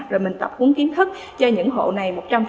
rồi mình tập huấn kiến thức cho những hộ này một trăm linh